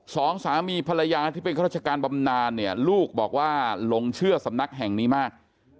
สองสามีภรรยาที่เป็นข้าราชการบำนานเนี่ยลูกบอกว่าหลงเชื่อสำนักแห่งนี้มาก